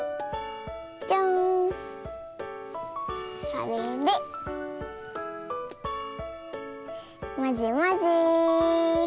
それでまぜまぜ。